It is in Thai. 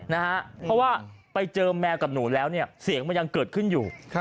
เพราะว่าไปเจอแมวกับหนูแล้วเนี่ยเสียงมันยังเกิดขึ้นอยู่